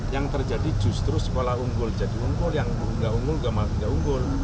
yang terjadi justru sekolah unggul jadi unggul yang enggak unggul enggak mahu enggak unggul